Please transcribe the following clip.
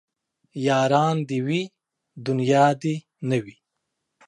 ياران دي وي دونيا دي نه وي